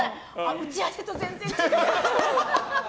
打ち合わせと全然違う！